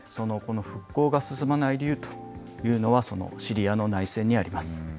復興が進まない理由というのは、シリアの内戦にあります。